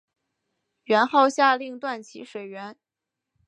元昊下令断其水源。